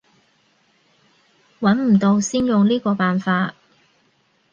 揾唔到先用呢個辦法